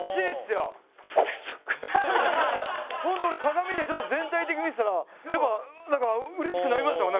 ホント俺鏡で全体的に見てたらやっぱなんか嬉しくなりましたもん。